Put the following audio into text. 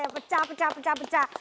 pecah pecah pecah pecah